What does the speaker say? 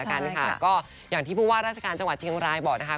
ก็อย่างที่ผู้ว่ารัฐการณ์จังหวัดเชียงร้ายบอกนะคะ